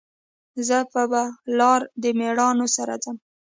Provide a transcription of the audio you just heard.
زه به په لار د میړانو سره ځم